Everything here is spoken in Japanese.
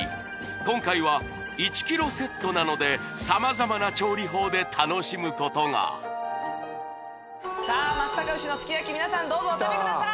今回は１ｋｇセットなので様々な調理法で楽しむことがさあ松阪牛のすき焼き皆さんどうぞお食べください